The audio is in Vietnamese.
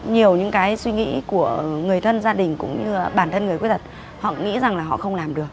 nhiều suy nghĩ của người thân gia đình cũng như bản thân người khuyết tật họ nghĩ rằng họ không làm được